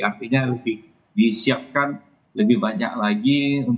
artinya lebih disiapkan lebih banyak lagi